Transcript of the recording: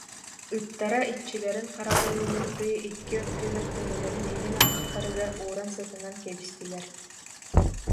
Ыттара иччилэрин харабыллыырдыы икки өттүгэр төбөлөрүн илин атахтарыгар ууран сытынан кэбистилэр